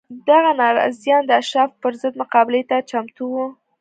دغه ناراضیان د اشرافو پر ضد مقابلې ته چمتو وو